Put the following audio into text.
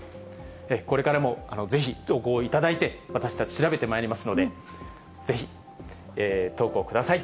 これからもぜひ、投稿頂いて、私たち調べてまいりますので、ぜひ、投稿を下さい。